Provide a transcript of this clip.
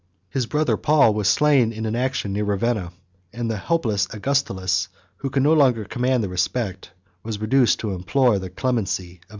119 His brother Paul was slain in an action near Ravenna; and the helpless Augustulus, who could no longer command the respect, was reduced to implore the clemency, of Odoacer.